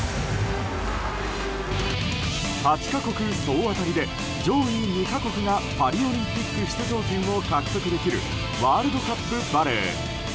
８か国総当たりで上位２か国がパリオリンピック出場権を獲得できるワールドカップバレー。